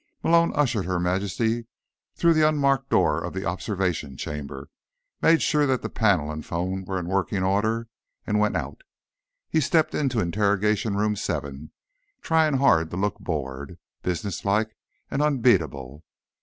Malone ushered Her Majesty through the unmarked door of the observation chamber, made sure that the panel and phone were in working order, and went out. He stepped into Interrogation Room 7 trying hard to look bored, businesslike and unbeatable.